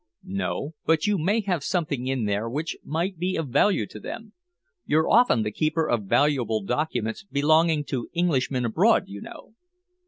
"No. But you may have something in there which might be of value to them. You're often the keeper of valuable documents belonging to Englishmen abroad, you know."